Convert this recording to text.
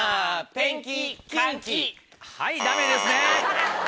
ペンキはいダメですね。